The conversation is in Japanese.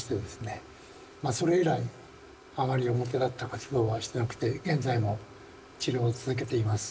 それ以来あまり表立った活動はしてなくて現在も治療を続けています。